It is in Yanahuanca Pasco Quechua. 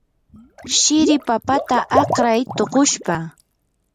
shiri papata akray tuqushpa.